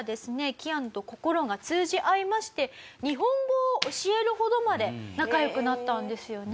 キアヌと心が通じ合いまして日本語を教えるほどまで仲良くなったんですよね。